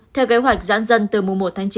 theo kế hoạch giãn dân từ mùa một tháng chín